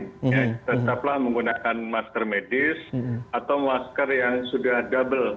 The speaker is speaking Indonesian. tetaplah menggunakan masker medis atau masker yang sudah double